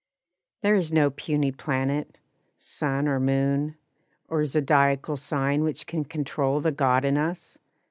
There is no puny planet, sun or moon, Or zodiacal sign which can control The God in us!